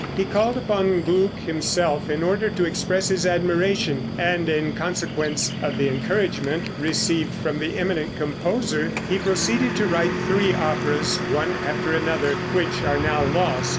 He called upon Gluck himself in order to express his admiration, and, in consequence of the encouragement received from the eminent composer, he proceeded to write three operas, one after another, which are now lost.